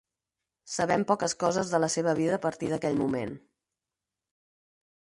Sabem poques coses de la seva vida a partir d'aquell moment.